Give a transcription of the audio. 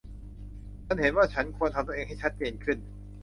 ฉันเห็นว่าฉันควรทำตัวเองให้ชัดเจนขึ้น